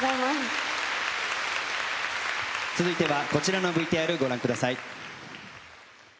続いてはこちらのＶＴＲご覧ください。